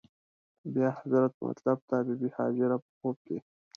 بیا حضرت مطلب ته بې بي هاجره په خوب کې.